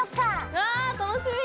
うわ楽しみ！